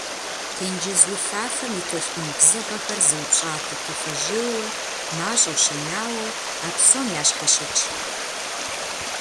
Тенджыз уфафэм и толъкъун бзыгъэхэр зыупщӏатэ кхъуафэжьейуэ, мащӏэу щэнауэу, а псом ящхьэщытщ.